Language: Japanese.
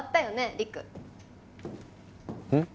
陸うん？